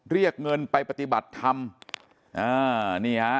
เรียกเงินไปปฏิบัติธรรมอ่านี่ฮะ